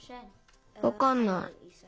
わかんない。